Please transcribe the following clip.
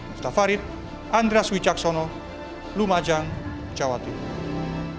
ustaz farid andras wijaksono lumajang jawa tenggara